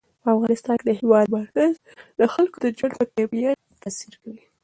په افغانستان کې د هېواد مرکز د خلکو د ژوند په کیفیت تاثیر کوي.